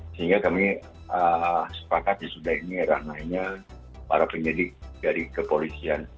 sehingga kami sepakat ya sudah ini ranahnya para penyidik dari kepolisian